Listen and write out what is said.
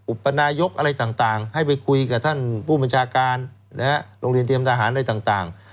อุปนายกอะไรต่างให้ไปคุยกับท่านผู้บัญชาการโรงเรียนเตรียมทหารอะไรต่าง